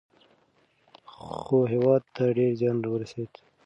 خو هیواد ته ډیر زیان ورسېد.